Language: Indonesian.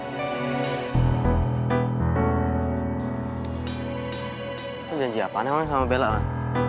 itu janji apaan emang sama bella lan